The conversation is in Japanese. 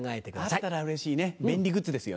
あったらうれしいね便利グッズですよね。